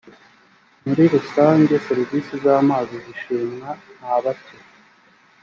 muri rusange serivisi z amazi zishimwa ntabake